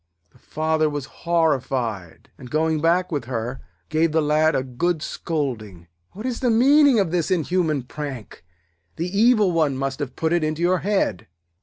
The Father was horrified, and, going back with her, gave the Lad a good scolding. 'What is the meaning of this inhuman prank? The evil one must have put it into your head.'